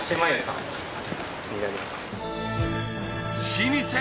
老舗！